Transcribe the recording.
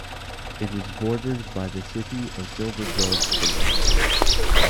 It is bordered by the city of Silver Grove to the west.